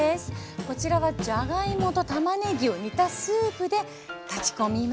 こちらはじゃがいもとたまねぎを煮たスープで炊き込みます。